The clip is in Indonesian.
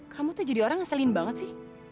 kamu tuh jadi orang ngeselin banget sih